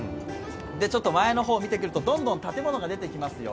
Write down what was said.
前の方を見てくるとどんどん建物が出てきますよ。